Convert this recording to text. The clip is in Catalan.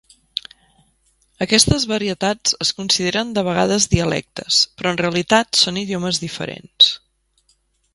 Aquestes varietats es consideren de vegades dialectes, però en realitat són idiomes diferents.